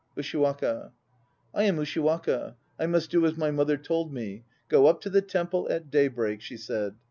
USHIWAKA. I am Ushiwaka. I must do as my mother told me; "Go up to the Temple x at daybreak," she said.